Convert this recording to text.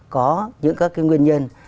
có những các cái nguyên nhân